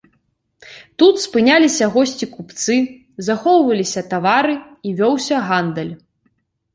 Тут спыняліся госці-купцы, захоўваліся тавары, і вёўся гандаль.